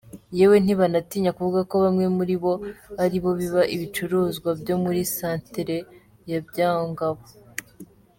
Yewe ntibanatinya kuvuga ko bamwe muribo aribo biba ibicuruzwa byo muri santere ya Byangabo.